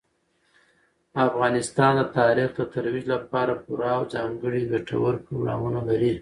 افغانستان د تاریخ د ترویج لپاره پوره او ځانګړي ګټور پروګرامونه لري.